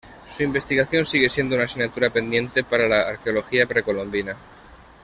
Su investigación sigue siendo una asignatura pendiente para la arqueología precolombina.